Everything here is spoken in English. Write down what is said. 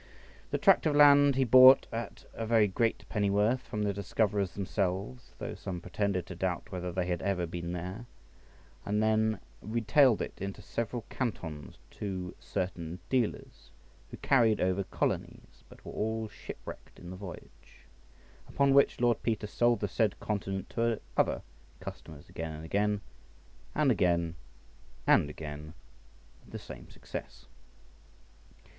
This tract of land he bought at a very great pennyworth from the discoverers themselves (though some pretended to doubt whether they had ever been there), and then retailed it into several cantons to certain dealers, who carried over colonies, but were all shipwrecked in the voyage; upon which Lord Peter sold the said continent to other customers again and again, and again and again, with the same success.